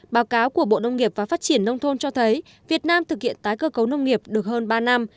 báo cáo của bộ nông nghiệp và phát triển nông thôn cho thấy việt nam thực hiện tái cơ cấu nông nghiệp được hơn ba năm